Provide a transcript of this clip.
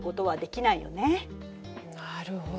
なるほど。